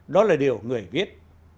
đó là điều người viết